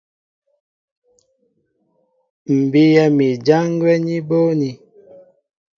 M̀ bíyɛ́ mi ján gwɛ́ ní bóónī.